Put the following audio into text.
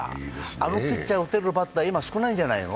あのピッチャーを打てるバッターは少ないんじゃないの？